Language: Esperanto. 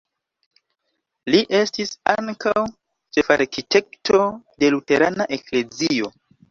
Li estis ankaŭ ĉefarkitekto de luterana eklezio.